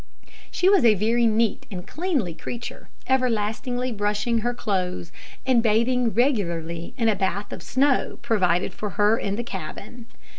She was a very neat and cleanly creature, everlastingly brushing her clothes, and bathing regularly in a bath of snow provided for her in the cabin.